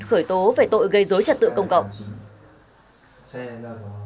khởi tố về tội gây dối trật tự công cộng